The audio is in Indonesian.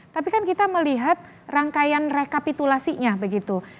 tapi kan kita melihat rangkaian rekapitulasinya begitu